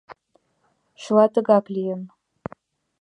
— Чыла тыгак лийын».